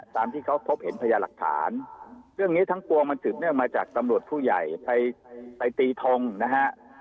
ตามที่เขาพบเห็นพญาหลักฐานเรื่องนี้ทั้งปวงมันสืบเนื่องมาจากตำรวจผู้ใหญ่ไปตีทงนะฮะ